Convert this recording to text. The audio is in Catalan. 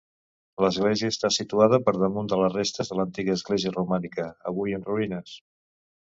L'església està situada per damunt de les restes de l'antiga església romànica, avui en ruïnes.